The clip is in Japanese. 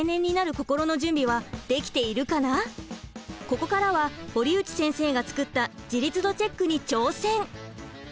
ここからは堀内先生が作った自立度チェックに挑戦！